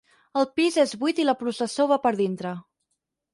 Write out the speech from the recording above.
El pis és buit i la processó va per dintre.